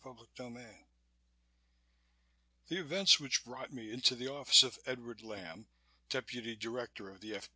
CHAPTER 15 The events which brought me into the office of Edward Lamb, Deputy Director of the F.